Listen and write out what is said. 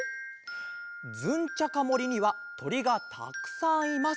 「ズンチャカもりにはとりがたくさんいます。